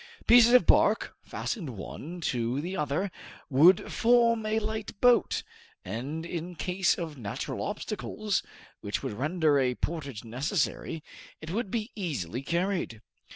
Pieces of bark, fastened one to the other, would form a light boat; and in case of natural obstacles, which would render a portage necessary, it would be easily carried.